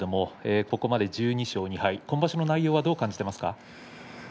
ここまでに１２勝２敗と今場所の内容はどう感じていますか。